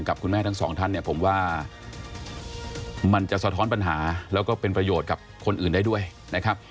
คุณแม่ทั้งสองท่านเนี่ยผมว่ามันจะสะท้อนปัญหาแล้วก็เป็นประโยชน์กับคนอื่นได้ด้วยนะครับ